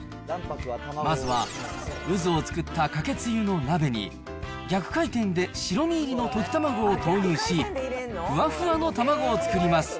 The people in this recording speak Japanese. まずは渦を作ったかけつゆの鍋に、逆回転で白身入りの溶き卵を投入し、ふわふわの卵を作ります。